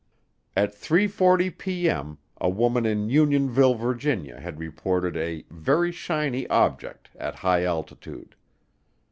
At 3:40P.M. a woman at Unionville, Virginia, had reported a "very shiny object" at high altitude.